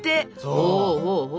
ほうほうほう。